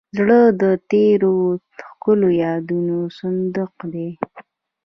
زړه د تېرو ښکلو یادونو صندوق دی.